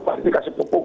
pasti dikasih pupuk